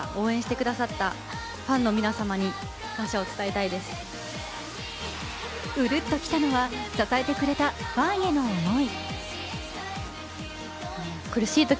そしてウルッときたのは支えてくれたファンヘの思い。